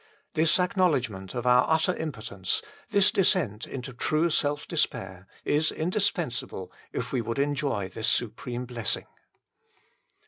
This acknowledgment of our utter impotence, this descent into true self despair, is indispens able if we would enjoy this supreme blessing.